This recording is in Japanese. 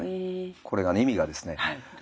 これが意味がですね